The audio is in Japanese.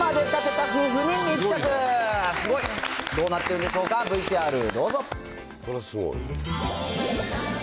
どうなってるんでしょうか、ＶＴＲどうぞ。